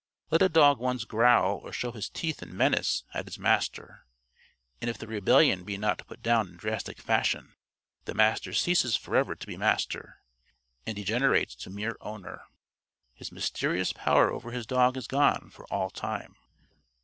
Let a dog once growl or show his teeth in menace at his Master, and if the rebellion be not put down in drastic fashion, the Master ceases forever to be Master and degenerates to mere owner. His mysterious power over his dog is gone for all time.